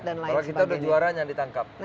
kalau kita udah juara jangan ditangkap